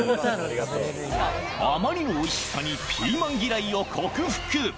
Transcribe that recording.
あまりのおいしさにピーマン嫌いを克服。